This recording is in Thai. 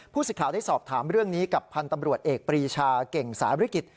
สิทธิ์ข่าวได้สอบถามเรื่องนี้กับพันธ์ตำรวจเอกปรีชาเก่งสาริกิจ